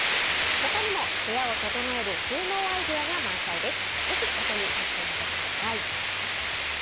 他にも部屋を整える収納アイデアが満載です。